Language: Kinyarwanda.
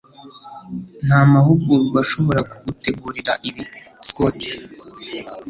Nta mahugurwa ashobora kugutegurira ibi. (Scott)